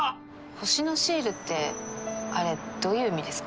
星のシールってあれどういう意味ですか？